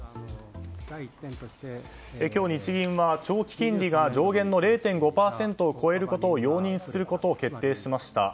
今日、日銀は長期金利上限の０．５％を超えることを容認することを決定しました。